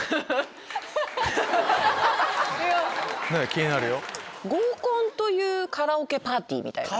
気になるよ。